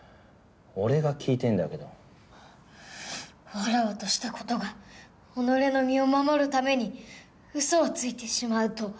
わらわとした事が己の身を守るために嘘をついてしまうとは！